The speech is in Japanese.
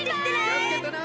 きをつけてな！